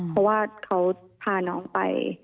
เพราะว่าเขาพาน้องไป